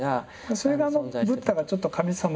それがブッダがちょっと神様。